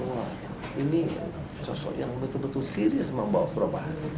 wah ini sosok yang betul betul serius membawa perubahan